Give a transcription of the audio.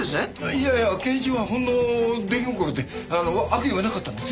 いやいや健一はほんの出来心で悪意はなかったんですよ。